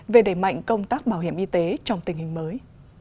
về đẩy mạnh công tác bảo hiểm y tế trong tình hình mới